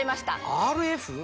ＲＦ？